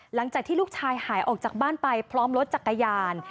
หลังจากที่ลูกชายหายออกจากบ้านไปพร้อมรถจักรยาน